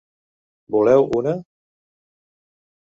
Voleu una??